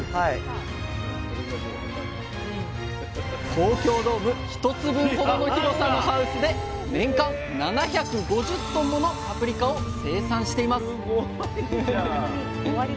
東京ドーム１つ分ほどの広さのハウスで年間７５０ｔものパプリカを生産しています